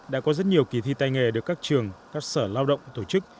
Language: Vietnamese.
đã có rất nhiều kỳ thi tay nghề được các trường các sở lao động tổ chức